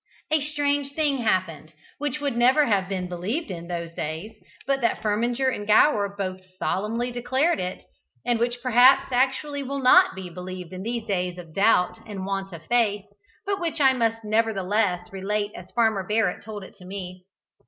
A strange thing happened, which would never have been believed in those days, but that Firminger and Gower both solemnly declared it, and which perhaps actually will not be believed in these days of doubt and want of faith, but which I must nevertheless relate as Farmer Barrett told it to me.